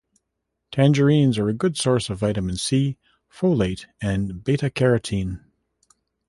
Tangerines are a good source of vitamin C, folate, and beta-carotene.